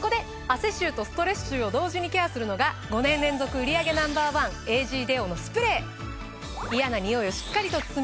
汗臭とストレス臭を同時にケアするのが５年連続売り上げＮｏ．１エージーデオのスプレー！